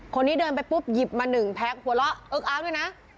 คนนี้เดินไปปุ๊บหยิบมาหนึ่งแพ็คหัวเราะเอิ๊กอาร์กด้วยนะ